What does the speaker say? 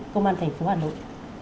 công an thành phố hà nội